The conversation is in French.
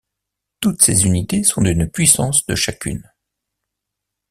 Toutes ces unités sont d'une puissance de chacune.